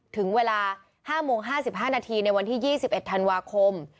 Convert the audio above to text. ถึงเวลา๕โมง๕๕นาทีในวันที่๒๑ธันวาคม